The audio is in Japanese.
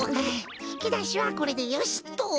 ひきだしはこれでよしっと。